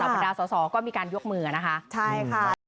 บรรดาสอสอก็มีการยกมือนะคะใช่ค่ะ